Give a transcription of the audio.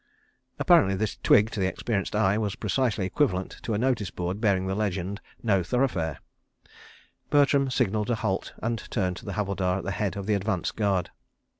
Apparently this twig, to the experienced eye, was precisely equivalent to a notice board bearing the legend, No Thoroughfare. Bertram signalled a halt and turned to the Havildar at the head of the advance guard.